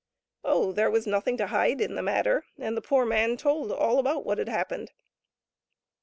Oh ! there was nothing to hide in the matter, and the poor man told all about what had happened.